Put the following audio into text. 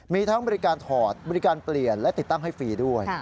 มีทั้งบริการถอดบริการเปลี่ยนและติดตั้งให้ฟรีด้วย